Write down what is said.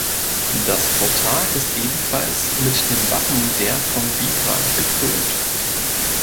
Das Portal ist ebenfalls mit dem Wappen der von Bibra bekrönt.